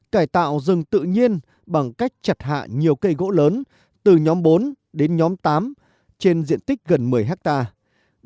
cải tạo rừng tự nhiên bằng cách chặt hạ nhiều cây gỗ lớn từ nhóm bốn đến nhóm tám trên diện tích gần một mươi hectare